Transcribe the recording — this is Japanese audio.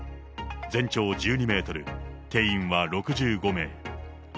全長１２メートル、定員は６５名。